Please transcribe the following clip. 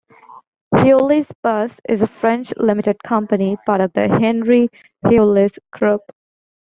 Heuliez Bus is a French limited company, part of the Henri Heuliez Group.